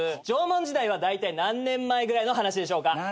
縄文時代はだいたい何年前ぐらいの話でしょうか？